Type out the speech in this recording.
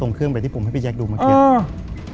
ทรงเครื่องกายที่ผมหักให้พี่แจ๊กดูบันเกียจ